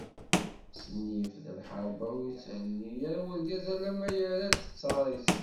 S nnif d lḥerma, ur yetthenni ara urgaz alamma yerra-d ttar-is.